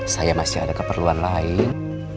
saya masih ada keperluan lain